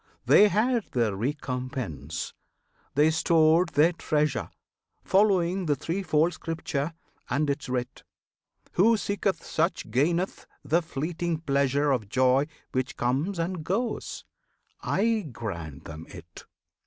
They had their recompense! they stored their treasure, Following the threefold Scripture and its writ; Who seeketh such gaineth the fleeting pleasure Of joy which comes and goes! I grant them it!